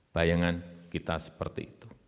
bayangan kita seperti itu